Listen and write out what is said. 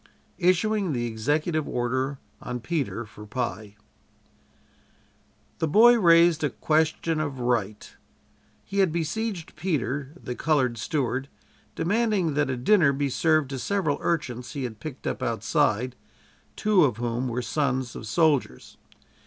ISSUING THE EXECUTIVE ORDER ON PETER FOR PIE The boy raised a question of right. He had besieged Peter, the colored steward, demanding that a dinner be served to several urchins he had picked up outside two of whom were sons of soldiers.